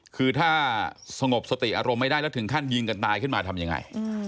คือถ้าสงบสติอารมณ์ไม่ได้แล้วถึงขั้นยิงกันตายขึ้นมาทำยังไง